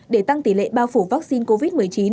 để tăng tỷ lệ bao phủ vaccine covid một mươi chín